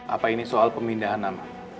apa ini soal pemindahan nama